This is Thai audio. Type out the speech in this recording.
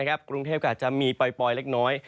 กรุงเทพก็อาจจะมีปล่อยเล็กน้อย